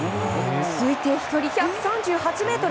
推定飛距離１３８ｍ！